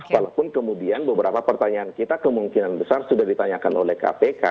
walaupun kemudian beberapa pertanyaan kita kemungkinan besar sudah ditanyakan oleh kpk